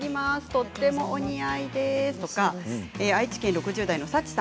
とてもお似合いですとか愛知県６０代の方。